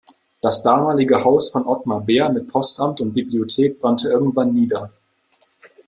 Das damalige Haus von Ottmar Behr mit Postamt und Bibliothek brannte irgendwann nieder.